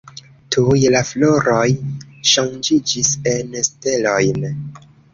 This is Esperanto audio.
Tuj la floroj ŝanĝiĝis en stelojn.